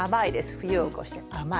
冬を越して甘い。